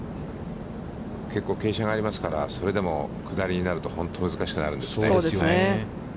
結構傾斜がありますから、それでも下りになると、本当に難しくなるんですよね。